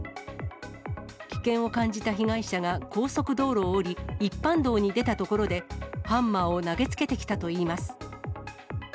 危険を感じた被害者が高速道路を降り、一般道に出たところでハンマーを投げつけてきたといいます。